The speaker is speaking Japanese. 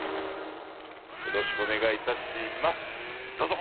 ◆よろしくお願いいたします、どうぞ。